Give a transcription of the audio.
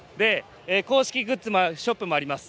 公式グッズショップもあります。